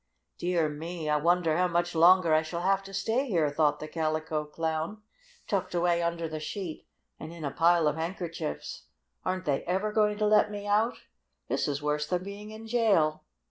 "Dear me! I wonder how much longer I shall have to stay here," thought the Calico Clown, tucked away under the sheet and in the pile of handkerchiefs. "Aren't they ever going to let me out? This is worse than being in jail!"